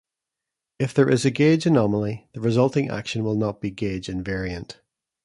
If there is a gauge anomaly, the resulting action will not be gauge invariant.